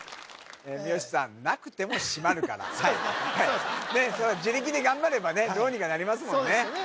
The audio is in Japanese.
三好さんなくてもしまるから自力で頑張ればねどうにかなりますもんね